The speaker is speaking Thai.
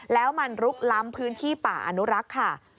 แล้วมันลุกล้ำพื้นที่ป่าอนุรักษ์ค่ะ